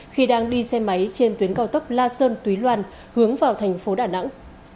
khi đang đi xe máy trên tuyến cao tốc la sơn túy loan hướng vào thành phố đà nẵng